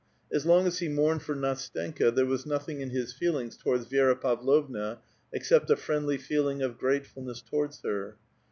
As long as he naourned for NAstenka, there was nothing in his feelings towards Vi^ra Pavlovna except a friendly feeling of grate fulness towards her.